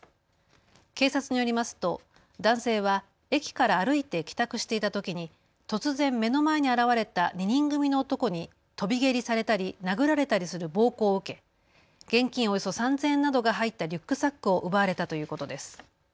警察によりますと男性は駅から歩いて帰宅していたときに突然、目の前に現れた２人組の男に飛び蹴りされたり殴られたりする暴行を受け現金およそ３０００円などが入ったリュックサックを奪われたということです。